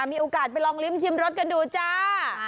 มีโอกาสไปลองลิ้มชิมรสกันดูจ้า